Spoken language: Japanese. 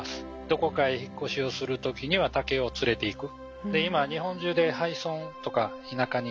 どこかへ引っ越しをする時には竹を連れていく。